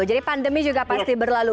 jadi pandemi juga pasti berlalu